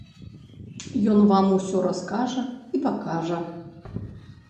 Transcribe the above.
Ён вам усё раскажа і пакажа.